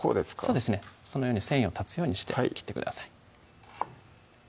そうですねそのように繊維を断つようにして切ってください